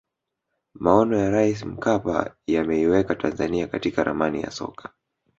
maono ya raisi mkapa yameiweka tanzania katika ramani ya soka